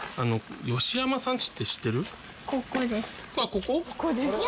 ここ？